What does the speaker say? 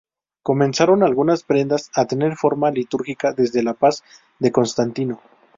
Comenzaron algunas prendas a tener forma litúrgica desde la paz de Constantino.